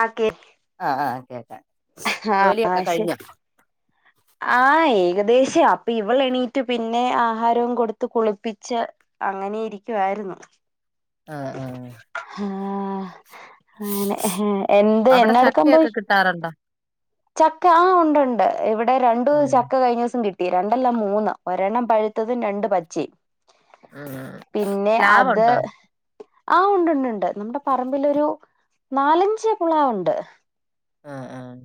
ആ കേ ആഹ് ആ കേക്കാം ജോലിയൊക്കെ ആഹ് ശെ കഴിഞ്ഞോ? ആഹ് ഏകദേശം അപ്പൊ ഇവളെണീറ്റു പിന്നെ ആഹാരോം കൊടുത്ത് കുളിപ്പിച്ച് അങ്ങനെയിരിക്കുവാരുന്നു ആഹ് ആ അങ്ങനെ എന്ത് അവിടെ എന്നാടുക്കാൻ ചക്കയൊക്കെ പോയി കിട്ടാറുണ്ടോ? ചക്ക ആഹ് ഒണ്ടോണ്ട് ഇവിടെ രണ്ടു ഉം ചക്ക കഴിഞ്ഞ ദിവസം കിട്ടി ട്ടി രണ്ടല്ല മൂന്ന് ഒരെണ്ണം പഴുത്തതും രണ്ട് പാച്ചേൻ പച്ചേം ഉം പിന്നെ അത് പ്ലാവുണ്ടോ? ആഹ് ഒണ്ടോണ്ട് ഒണ്ട് നമ്മുടെ പറമ്പിലൊരു നാലഞ്ച് പ്ലാവോണ്ട് ആഹ് ആഹ്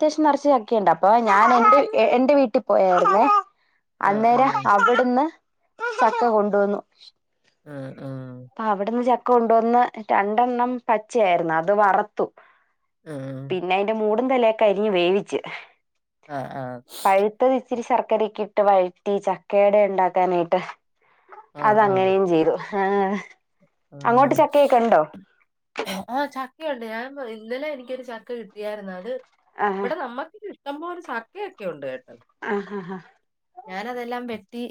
അത്യാവശ്യം നെറച്ച് ചക്കിയണ്ട് അപ്പൊ ഞാൻ എന്റെ എന്റെ വീട്ടി പോയാരുന്നെ ആഹ് അന്നേരം ആഹ് അവിടുന്ന് ചക്ക കൊണ്ടുവന്നു ആ അപ്പ അവിടന്ന് ച ക്ക കൊണ്ടുവന്ന് രണ്ടണ്ണം പച്ചയാരുന്നു അത് വറത്തു ഉം പിന്നെ അതിന്റെ മൂ ടും തലയാക്കെ അരിഞ്ഞ് വേവിച്ച് ആഹ് ആഹ് പഴുത്തത് ഇച്ചിരി ശർക്കരക്കെ ഇട്ട് വഴറ്റി ചക്കയട ഒണ്ടാക്കാനായിട്ട് അതങ്ങനെയും ചെയ്തു ആഹ് ആ അങ്ങോട്ട് ചക്കയൊക്കെ ഉണ്ടോ ആ ചക്കയൊണ്ട് ഞാൻ ഇന്നലെ എനിക്കൊരു ച ചക്ക കിട്ടിയായിരുന്നാത് ആഹ് ഇവിടെ നമ്മുക്കി ഇഷ്ടംപോലെ ചക്കയൊക്കെ ഒണ്ട് കേട്ടോ ആഹ് ആഹ് ഞാന അതെല്ലാം വെ ട്ടി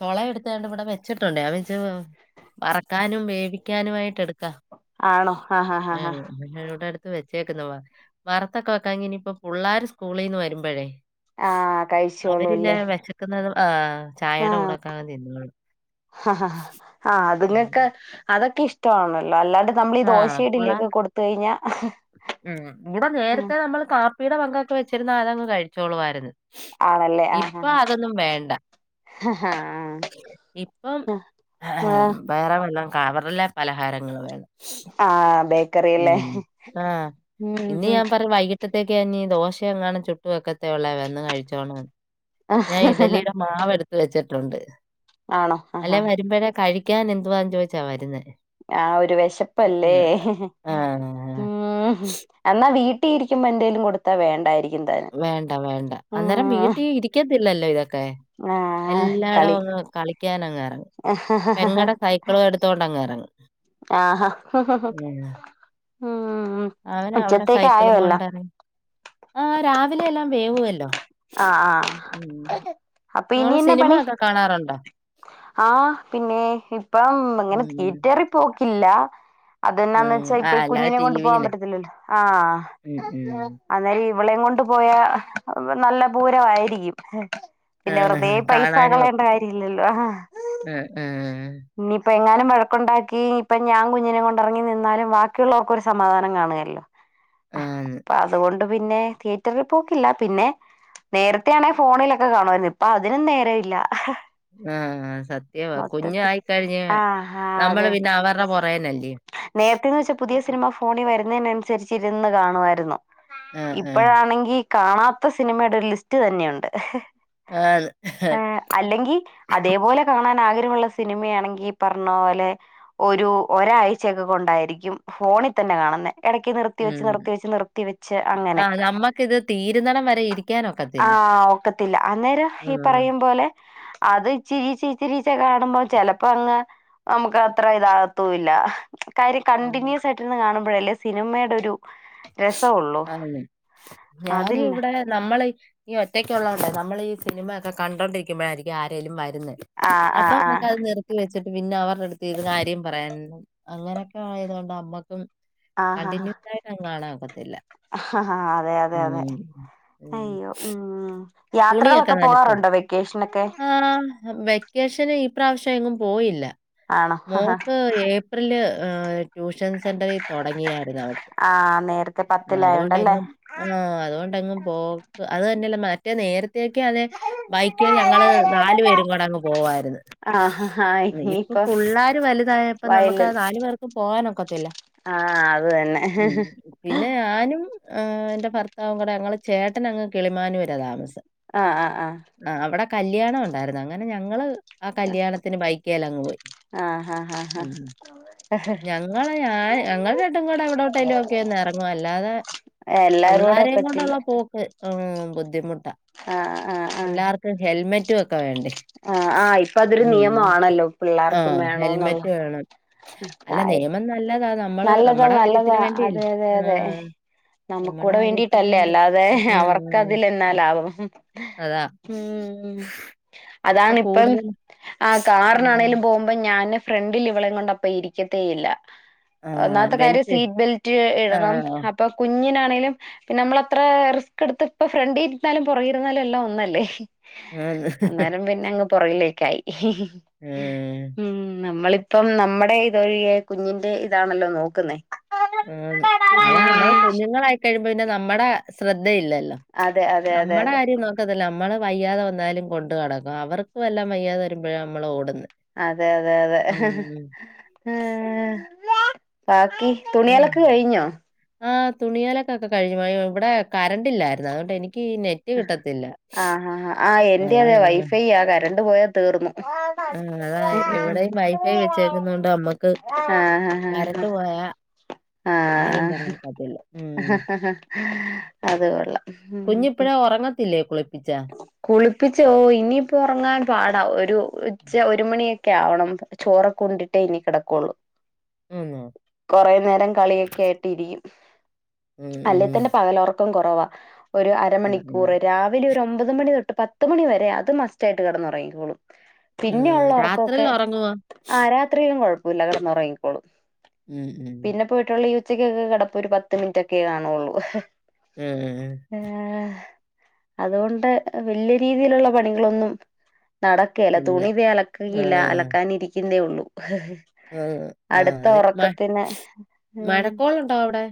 ചോള എടുത്തെണ്ട് ഇവിടെ വെച്ചിട്ടുണ്ടേ [unintelligible] വറക്കാനും വേവിക്കാനുവായിട്ട് എടുക്ക ആണോ ആഹ് ആഹ് ആ ആഹ് ഞോടെ അടുത്ത് വെ ചേക്കുന്ന വ വറുത്തൊക്കെ വെക്കാ ഇനിയിപ്പൊ പുള്ളാര് സ്കൂളിന്ന് വരുമ്പോഴേ ആഹ് കഴിച്ചോളൂല്ലേ വെശക്കുന്നത് ആഹ് ചായയുടെ ആഹ് കൂടക്കാങ്ങ തിന്ന ആ അത്ങ്ങൊക്കെ അതൊ ഇഷ്ട ആണ അല്ലാണ്ട് നമ്മൾ ഈ ആഹ് ദോശയുടെ ഇഡലിയൊക്കെ പുള്ളാർക്ക് കൊടുത്ത കഴിഞ്ഞാൽ ഉം ഇവിടെ നേരത്തെ നമ്മൾ കാപ്പിയുടെ വക വെച്ചിരുന്നാൽ അതങ്ങ് കഴിച്ചോളു വായിരുന്നു. ആണല്ലേ ആഹ് ഇപ്പൊ അതൊന്നും വേണ്ട ആഹ് ഇപ്പം ആഹ് ബേറെ വല്ലം. കവറിലെ പലഹാരങ്ങൾ വേണം. ആഹ് ഉ ബേക്കറിയല്ലേ ആഹ് ഉം ഇന്ന് ഉം ഞാൻ പറഞ്ഞു വൈകി ഇന്നത്തേക്ക് ഇനി ദോശ എങ്ങാനും ചുട്ടും വെക്കത്തെ ഉള്ളൂ വന്ന് കഴിച്ചോണം. ഞാൻ ഇഡലിയുടെ മാവെടുത്ത് വെച്ചി ഉണ്ട് ആണോ അല്ല ആഹാ വരുമ്പോഴേ കഴി ക്കാൻ എന്തുവാന്ന് ചോദിച്ച വരുന്നേ ആ ഒരു വിശപ്പ് അല്ലേ ഉം. ആഹ്. ഉ എന്നാ വീ വീട്ടിലിരിക്കുമ്പോൾ എന്തേലും കൊടുത്ത വേണ്ടായിരി വേണ്ട വേണ്ട അന്നേരം വീട്ടിൽ ഇരിക്കത്തില്ല ലല്ലോ [unintelligible] എ ആഹ് എല്ലായിടം കളി അങ്ങ് കളിക്കാൻ അങ്ങ ഇറങ്ങും പെങ്ങടെ സൈക്കിളും പെങ്ങളുടെ സൈക്കിൾ എടുത്തോണ്ട് അങ്ങ് ഇറങ്ങും. ആ അവന് അവിടെ സൈക്കിളു കൊണ്ടാണ് ആ രാവിലെ എല്ല വേവുവല്ലോ. ആഹ് ഉം. ആഹ് അപ്പൊ മോള് ഇനിയെന്നാ സിനിമ പണി. ഒക്കെ കാണാറുണ്ടോ? ആ പിന്നെ ഇപ്പം ഇങ്ങനെ ഉം. തീയറ്ററിൽ പോക്കി ഇല്ല. അത് എന്താണെന്ന് ഉം. വെച്ച ആ ഇപ്പൊ ഈ അല്ലാതെ കുഞ്ഞിനെ കൊണ്ട് പോകാൻ ടിവിയില്. പറ്റത്തില്ലല്ലോ ആ ഉം. ഉം. അന്നേര ഇവളെ കൊണ്ടുപോയ നല്ല പൂരം ആയിരിക്കും. പിന്നെ വെറുതെ പൈസ കളയേണ്ട ഉം കാര്യം ഉം ഉ [inaudible] എങ്ങാനും വഴക്കുണ്ടാക്കി ഇപ്പ ഞാൻ കുഞ്ഞിനെ കൊണ്ട് ഇറങ്ങി നിന്നാലും ബാക്കിയുള്ളവർക്ക് ഒരു സമാധാനം കാണുമല്ലോ ബാക്കിയുള്ളവർക്ക് ഒരു സമാധാനം ഉണ്ടാവില്ല ആന്ന്. അപ്പൊ അതുകൊണ്ട് പിന്നെ തിയേറ്ററിൽ പോക്കില്ല പിന്നെ നേരത്തെയണെ ഫോണിലൊക്കെ കാണുവായിരുന്നുഇപ്പൊ അതിനും നേരമില്ല ആ സത്യമാ കുഞ്ഞ് ആയി ആഹ അതെ പുറകേനല്ലേ. നേരത്തെന്ന് വെച്ചാ പുതിയ സിനിമ ഫോൺ വരുന്നതിനനുസരിച്ച് ഇരുന്ന് കാണുമായിരുന്നു ആഹ് ആഹ് ഇപ്പഴാണെങ്കി കാണാത്ത സിനിമയുടെ ഒരു ലിസ്റ്റ് തന്നെയുണ്ട് ആണ്. അല്ലെങ്കിൽ അതേപോലെ കാണാൻ ആഗ്രഹ സിനിമയാണെങ്കിൽ പറഞ്ഞ പോലെ ഒരു ഒരാഴ്ചയക്കെ കൊണ്ടായിരിക്കും ഫോണിൽ തന്നെ കാണുന്ന ഇടക്ക് നിർത്തി വെച്ച് ഉം നിർത്തി വെച്ച് നിർത്തി വെച്ച് അങ്ങനെ ആഹ് നമ്മക്കിത് തീരുന്നടം വരെ ആ ഇരിക്കാനൊക്കത്തില്ല. ഒക്കത്തില്ല അന്നേരം ഈ ഉം. പറയയും പോോലെ അത് ചിരി സ്രിച്ച കാാഡൻ ചെപ്പോ അങ്ങ് നമുക്ക് അത്ര ഇതാകത്തല്ല കാര്യം ആഹ് കണ്ടിന്യൂസ് ആയിട്ട്ന്ന് കാണ്പ അല്ലേ സിനിമയുടെ ഒരു രസമുള്ളൂ അ ഞാനും അതില്ല ഇവിടെ നമ്മള് ഈ ഒറ്റക്കള്ളതോണ്ട നമ്മള ഈ സിനിമയക്കെ കണ്ടിരിക്കുമോഴായിരിക്കും ആരേലും ആ ആ അപ്പൊ ആ നമ്മുക്കത് നിർത്തി വെച്ചിട്ട് പിന്നെ അവരുടെ അടുത്ത് ഇത് കാര്യം പറയാന അങ്ങനെയൊക്കെ ആയതുക കൊണ്ട് അമ്മക്കും ഹാ കണ്ടിന്യൂസ് ആയിട്ട കാണ ആ അതെ അതെ അതെ ഉം അയ്യോ ഉം തുണിയൊക്കെ യാത്രകളൊക്കെ നനച്ചോ? പോകാറുണ്ടോ വെക്കേഷനൊക്കെ ആഹ് വെക്കേഷന് ഈ പ്രാവശ്യം എങ്കും പോയില്ല ആണോ മോക്ക് ഏപ്രില് ആ.... [unintelligible] ട്യൂഷൻ സെന്ററി തുടങ്ങിയായിരുന്നു അവക്ക് ആഹ് നേരത്തെ പത്തിലായോണ്ടല്ലേ അതുകൊണ്ടങ്ങും ആ് അതുകൊണ്ടെങ്ങും പോക്ക് അത് തന്നെയല്ല റ്റ നേര േക്ക അത ബൈക്ക ഞങ്ങള് നാലു പേരും കൂടെ അങ്ങ് പോവമായിരുന്നു ആഹ് ഹാ ഇപ്പൊ ഇനിയിപ്പോ പിള്ളർ വലുതായപ്പോ നമുക്ക് വയല് നാലു പേർക്കും പോകാനൊക്കത്തില്ല ആഹ് അത് തന്നെ ഉ പിന്നെ ഞാനും ആ് എ്ന്റെ ഭർത്താവും കൂടെ ഞങ്ങൾ ചേട്ടന അങ്ങ് കളിമാന വരും ദാമസി ആ ആ ആ കല്യാണം ഉണ്ടായിരുന്നു അങ്ങനെ ഞങ്ങള് ആ കല്യാണത്തിന് ബൈക്കേലങ്ങ് പോയി ആഹ് ഹാ ഹാ ഉ ഹാ ഞങ്ങ ഞൻ ഞങ്ങട്ടും കൂടെ എവിടെോട്ടേലും ഒക്കെന്ന ഇറങ്ങും അല്ലാതെ എല്ലാരൂടെ പിള്ളാരേും പറ്റില്ല കൊണ്ടുള്ള പോക്ക് ആ ആഹ് ആഹ് ആഹ് എല്ലാവർക്കും ഹെൽമെറ്റ് ആഹ് ആഹ് ഇപ്പൊ അതൊരു നിയമമാണല്ലോ ആ പിള്ളേർക്കും വേണോന്നുള്ള ഹെൽമെറ്റ് വേണം അല്ല കാര്യം നിയമം നല്ലത നല്ലതാ നല്ലതാ അതെ അതെ അതെ നമ്മടെ നമുക്കൂടെ കാര്യത്തിന് വേണ്ടീട്ടല്ലേ വേണ്ടി. അല്ലാതെ അവർക്ക് ഉം. അതിലെ അതാ. ഉം ഇപ്പൊ അതാണിപ്പം കൂടുതൽ ആ ഉം. കാറിനാണേങ്കിലും പോകുമ്പോ ഞാന് ഫ്രണ്ടിൽ ഇവളേം കൊണ്ടപ്പ ഇരിക്കത്തേ ഇല്ല ആ ഒന്നാമത്തെ കാര്യം ബെൽറ്റ് സീറ്റ് ബെൽറ്റ് ആ ഇടണം അപ്പൊ കുഞ്ഞിനാ നമ്മളത്ര റിസ്ക് എടുത്ത് ഇപ്പം ഫ്രണ്ടിലിരുന്നാലും പുറകിരുന്നാലും എല്ലാം ഒന്നല്ലേ ആന്ന്. അന്നേരം പിന്നേ അങ്ങ് പുറകിലേ കൈ ഉം നമ്മള് ഇപ്പം നമ്മടെ ഇതൊഴിയെ കുഞ്ഞിന്റെ ഇത് ഇതാണല്ലോ നോക്കുന്നേ ആണ് അതാ നമ്മള് കുഞ്ഞുങ്ങളായിക്കഴിയുമ്പോ പിന്നെ നമ്മടെ ശ്രദ്ധ ഇത ഇല്ലല്ലോ അതെ അതെ അതെ നമ്മടെ അതെ കാര്യം നോക്കത്തില്ല നമ്മള് വയ്യാതെ വന്നാലും കൊണ്ട് നടക്കും അപ്പ അവർക്ക് വല്ലോം വയ്യാതെ വരുമ്പോഴാ നമ്മളോടുന്ന് അതെ അതെ അതെ [inaudible] ഉം. തുണിയലക്ക് കഴിഞ്ഞാ? ആ തുണിയലക്കൊക്കെ കഴിഞ്ഞു ഇവടെ കറണ്ടില്ലായിരുന്നു അതുകൊണ്ട് എനിക്ക് ഈ നെറ്റ് കിട്ടത്തില്ല. ആ ആ ആ എന്റെ അതാ അതെ ഞാൻ പ വൈഫൈയാ ആ കരണ്ട് പോയ തീർന്നു ആ അതാ ഇവിടേം വൈഫൈ വെച്ചേക്കുന്നോണ്ട് നമ്മക്ക് ആഹ് ആഹ് കരണ്ട് പോയാ ആരെയും ആഹ് പറയാൻ പറ്റില്ല ഉം അത് കൊള്ളാ കുഞ്ഞിപ്പഴേ ഉറങ്ങത്തില്ലേ? കുളിപ്പിച്ചാ? കുളിപ്പിച്ചു ഓ ഇനിയിപ്പൊ ഒറങ്ങാൻ പാടാ ഒരു ഉച്ച ഒരു മണിയൊ ക്കെ ആവണം ചോറൊക്കെ ഉണ്ടിട്ടേ ഇനി കെടക്കുള്ളൂ ആന്നോ? കൊറേ നേരം കളിയൊക്കെ ആയിട്ട് ഇരിക്കും ഉം, അല്ലെ ഉം. തന്നെ പകലൊറക്ക ക്കം കൊറവാ ഒരു ഉം, ഉം. അരമണിക്കൂറ് രാവിലെ ഒമ്പത് മണി തൊട്ട് പത്ത് മണി വരെ അത് മസ്റ്റായിട്ട് കെടന്നൊറങ്ങിക്കോളും പിന്നെ ഉം. ഉള്ള രാത്രിയിൽ ഒറക്കൊക്കെ ഉറങ്ങുവോ? ആ രാത്രിയിലും കൊഴപ്പ പിള്ളേര് കിടന്നു ഉറങ്ങിക്കോളും ഉം ഉം ഉച്ചക്കൊക്കെ കടപ്പ ഒരു പത്ത് മിനിറ്റ ഒക്കെേ കാണുള്ളൂ ആ. ആ അതുകൊണ്ട് വലിയ രീതിയിലുള്ള പണികളൊന്നും നടക്കുകയില്ല ഇല്ല. തുണി ദേ ഇതേ ആ. അലക്കുകയില്ല അലക്കാനിരിക്കുന്നതേ ഉള്ളൂ ആ ഹ് ഹ് ആ ആ അത മ മഴക്കോളുണ്ടോ അവിടെ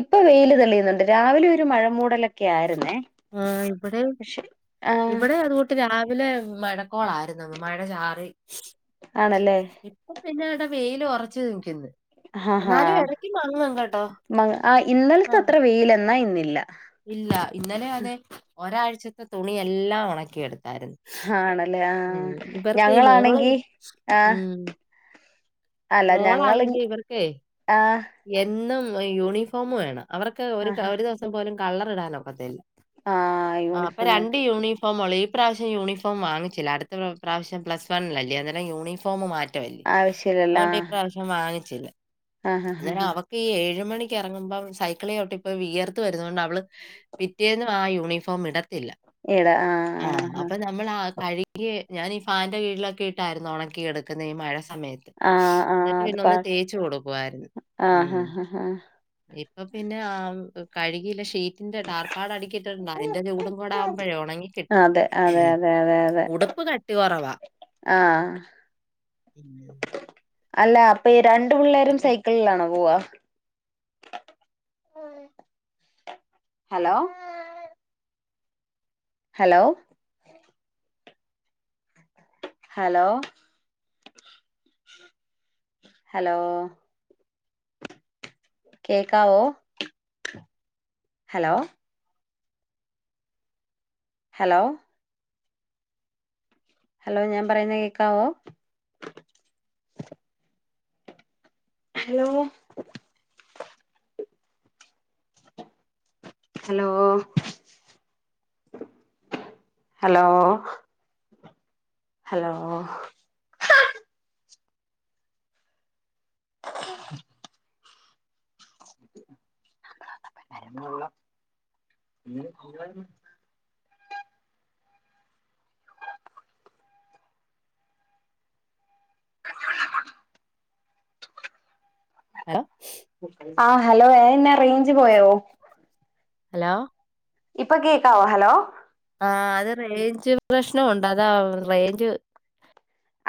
ഇപ്പൊ വെയിയില് തെളിയുന്നുണ്ട് രാവിലെ ഒരു മഴ മൂടലൊക്കെ ആയിരുന്നേ ആ ഇവിടെ പക്ഷെ ആഹ് ഇവിടെ അതുകൊട്ട് രാവിലെ മഴക്കോളായിരുന്നു മഴ ചാറി ആണല്ലേ ഇപ്പൊ പിന്നട വെയിൽ ഉറച്ചു നിക്കന്ന് ആഹഹാ മ ആ ആ. ഇന്നലത്തെ അത്ര വെയില എന്നാ ഇന്ന ഇല്ല ഇല്ല ഇന്നലെ അതെ ഒരാഴ് ആഴ്ചത്തെ തുണിയെല്ലാം ഉണക്കിയെടുത്തു ആണല്ലേ ആ ഇവർക്ക് ഈ മോള് ഞങ്ങളാണെങ്കി ആ അല്ല ഞങ്ങള് മോളാണെങ്കി ഇവർക്കേ ആ എന്നും യൂണിഫോമ് വേണം അവർക്ക് ഒരു ആഹ് ഒരു ദിവസം പോലും കളർ ഇടാൻ ഒക്കത്തില്ല ആഹ് ആ അപ്പൊ യൂണിഫോം രണ്ട് തന്നെ യൂണിഫോമൊളി ഇപ്രാവശ്യം യൂണിഫോം വാങ്ങിച്ചില്ല അടുത്ത പ്രാവശ്യം പ്ലസ് വൺണ അല്ലേ അന്നേരം യൂണിഫോം മാറ്റി മാറ്റമായിരിക്കും ആവശ്യല്ലല്ലോ അതുകൊണ്ട് ഇ ആഹ് പ്രാവശ്യം വാങ്ങിച്ചില്ല അന്നേരം ആഹാഹാഹാ അവക്ക് ഈ ഏഴും ആറു മണിക്ക് ഇറങ്ങുമ്പോം സൈക്കിൾ ചവിട്ടി വിയർത്ത് വരുന്നത് കൊണ്ട് അവള് പിറ്റേന്നും ആ യൂണിഫോം ഇട തില്ല എടാ ആ ആഹ് അപ്പൊ നമ്മൾ ആ കഴുകിയ ഞാൻ ഈ ഫാൻന്റെ കീഴിലൊക്കെ ഇട്ടായിരുന്നു ഉണക്കിെടുക്കുന്ന ഈ മഴ സമയത്തൊക്കെ സമയത്ത് ആഹ് ആഹ് ആഹ് എന്നിട്ട് ആഹ് അത് പിന്ന പാ ഒന്ന് തേച്ച കൊടുക്കമായിരുന്നു ഉം ആഹാഹാഹാ ഇപ്പൊ പിന്നെ ആ കഴുകില്ല ഷി റ്റിന്റെട്ടാർപ്പാട അടിക്കിട്ടിട്ടുണ്ട് അതിന്റെ ചൂടും കൂട ആകുമ്പോഴേ ഉണങ്ങിക്കിട്ടും അതെ അതെ അതെ അതെ അതെ ഉടുപ്പ് കട്ടി കൊറവാ ആഹ് അല്ല അപ്പയി- രണ്ട് പിള്ളേരും മറ്റേ സൈക്കിളിലാണോ പോവാ [inaudible] ഹലോ ഹലോ ഹലോ ഹലോ കേക്കാവോ ഹലോ ഹലോ ഹലോ ഞാൻ പറയുന്ന കേക്കാവോ hello hello hello hello [inaudible] [inaudible] hello ആഹ് ഹലോ ഏന്നാ റേഞ്ച് പോയോ ഹലോ ഇപ്പൊ കേക്കാവോ ഹലോ ആഹ് അത് റേഞ്ച് പ്രശ്നവുണ്ട് അതാ റേഞ്ച്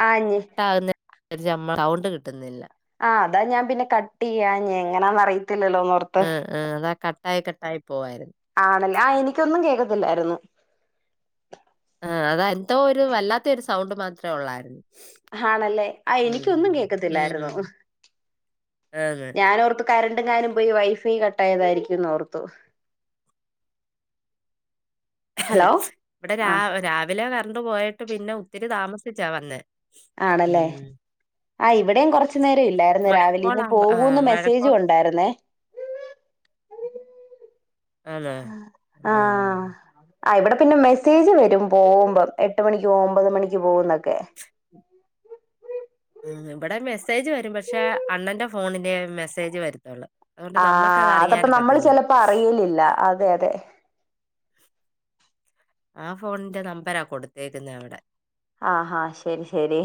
ആഞ്ഞ് [unintelligible] സൗണ്ട് കിട്ടുന്നില്ല ആഹ് അതാ ഞാൻ പിന്നെ കട്ട് ചെയ്യാഞ്ഞെ എങ്ങനന്ന് അറി ത്തില്ലല്ലോന്നോർത്ത് കട്ടയിക്കട്ടായി പോവയിരുന്നു ആണല്ലേ ആഹ് എനിക്കൊന്നും കേക്കത്തില്ലായിരുന്നു ആഹ് അതാ എന്തോ ഒരു വല്ലാത്ത ഒരു സൗണ്ട് മാത്രമേ ഉള്ളായിരുന്നു ആണല്ലേ ആഹ് എനിക്കൊന്നും ഉം. കേൾക്കത്തില്ലായിരുന്നു ആന്ന്. ഞാനോർത്ത് കറണ്ട്ങ്നും പോയി വൈഫൈ കട്ടായതായിരിക്കുന്നോർത്ത് ഇവിടെ രാ രാവിലെ കറണ്ട് പോയിട്ട് പിന്നെ ഒത്തിരി താമസ സിച്ച വന്നെ ആണല്ലേ ആഹ് ഇവിടെയും കൊറച്ചു നേരം ഇല്ലായിരുന്നു രാവിലെ ഇന്ന് മഴക്കോളാകുമ്പോ ആഹ് പോകൂന്ന് മഴക്കോൾ മെസ്സേജും ഉണ്ടായിരുന്നേ ആന്നോ? ആ ആഹ്. ആഹ് ഇവിടെ പിന്നെ മെസ്സേജ് വരും പോകുമ്പോം എട്ട് മണിക്ക് പോവും ഒമ്പത് മണിക്ക് പോകുന്ന് ന്നോക്കെ ഉം ഇവിടെ മെസ്സേജ് വരും പക്ഷെ അണ്ണന്റെ ഫോണിലെ മെസ്സേജ് വര ആഹ് അതപ്പ നമ്മൾ ചിലപ്പോ അറിയലില്ല അതെ അതെ ആ ഫോണിന്റെ നമ്പറാ കൊടുത്തേക്കുന്ന അവിടെ ആഹാ ശരി ശരി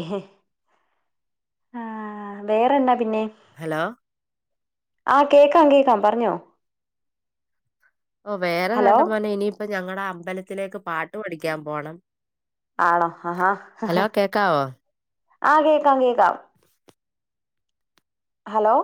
ആ വേറെന്ന ഹലോ ആ കേക്കാം കേക്കാം പറഞ്ഞോ ഓ വേറെ ഹലോ നാണ്ടമാനെ ഇനി ഇപ്പൊ ഞങ്ങടെ അമ്പലത്തിലേക്ക് പാട്ട് പഠിക്കാൻ പോണം ആണോ ഹ ഹാ ഹലോ കേക്കാവോ? ആ കേക്കാം ത ഹലോ